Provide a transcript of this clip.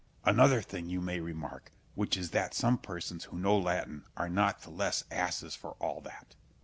Scip. Another thing you may remark, which is that some persons who know Latin are not the less asses for all that.